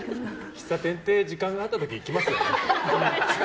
喫茶店って時間があった時、行きますよ。